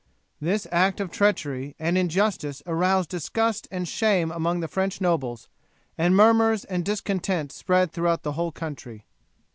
This act of treachery and injustice aroused disgust and shame among the French nobles, and murmurs and discontent spread throughout the whole country.